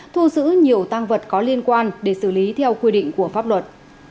thu giữ nhiều tăng vật có liên quan để xử lý theo quy định của pháp luật